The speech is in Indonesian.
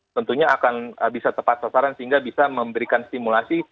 tentunya akan bisa tepat sasaran sehingga bisa memberikan stimulasi